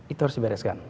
itu harus dibereskan